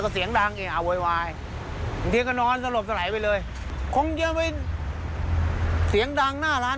เสียงดังหน้าร้านเขาเปล่า